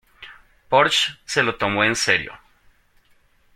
Porsche se lo tomó en serio.